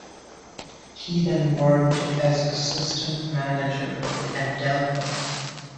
He then worked as assistant manager at Delco.